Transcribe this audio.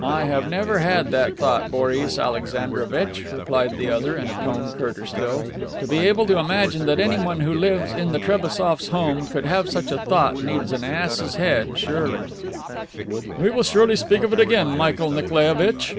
"I have never had that thought, Boris Alexandrovitch," replied the other in a tone curter still. "To be able to imagine that anyone who lives in the Trebassofs' home could have such a thought needs an ass's head, surely." "We will speak of it again, Michael Nikolaievitch."